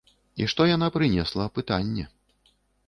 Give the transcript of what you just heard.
І што яна прынесла, пытанне.